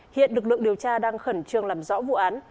hiện lực lượng điều tra đang khẩn trương làm rõ vụ án